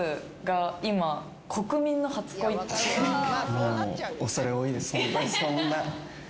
もう恐れ多いです。